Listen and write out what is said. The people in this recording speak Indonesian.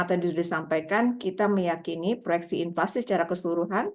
terima kasih pak gubernur